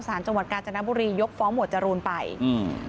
สารจังหวัดกาญจนบุรียกฟ้องหมวดจรูนไปอืม